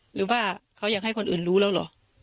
หรือว่าเขาอยากให้คนอื่นรู้แล้วเหรอ